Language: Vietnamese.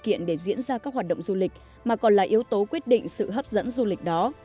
không những là điều kiện để diễn ra các hoạt động du lịch mà còn là yếu tố quyết định sự hấp dẫn du lịch đó